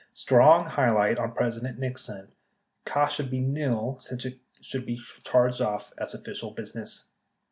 Strong highlight on President Nixon. Cost should be nil since it could be charged off as official business.